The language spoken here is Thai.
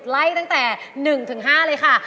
ไล่ตั้งแต่๑๕เลยค่ะ